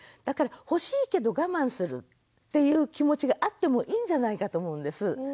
だから欲しいけど我慢するっていう気持ちがあってもいいんじゃないかと思うんです。